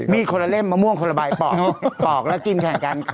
คนละเล่มมะม่วงคนละใบปอกแล้วกินแข่งกัน